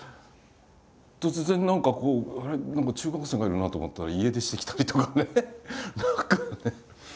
何か中学生がいるなあと思ったら家出してきたりとかね。